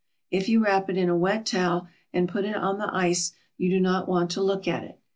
If you wrap it in a wet towel and put it on the ice you do not want to look at it.